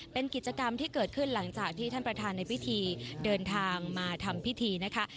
เป็นกิจกรรมที่เกิดขึ้นหลังจากที่ท่านประธานในพิธีเดินทางมาทำพิธีนะคะ